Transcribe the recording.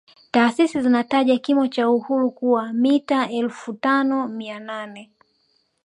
Taasisi zinataja kimo cha Uhuru kuwa mita elfu tano mia nane